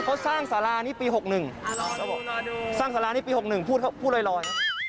รอดูสร้างสารานี้ปี๖๑พูดลอย